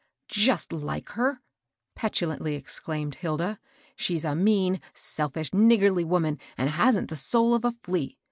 " Just like her 1 " petulantly exclaimed Hilda. She's a mean, selfish, niggardly woman, and hasn't the soul of a flea.